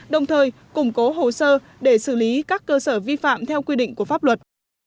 đồng thời củng cố hồ sơ để xử lý các cơ sở vi phạm theo quy định của pháp luật